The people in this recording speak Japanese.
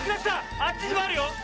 あっちにもあるよ！